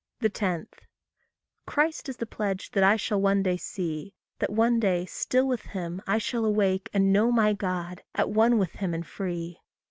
10. Christ is the pledge that I shall one day see; That one day, still with him, I shall awake, And know my God, at one with him and free.